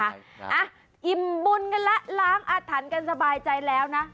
อ่ะอิ่มบุญกันแล้วล้างอาถรรพ์กันสบายใจแล้วนะ